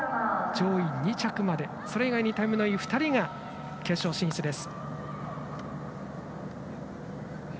上位２着までそれ以外にタイムのいい２人が決勝進出です。